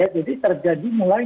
jadi terjadi mulai